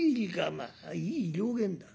まあいい了見だ。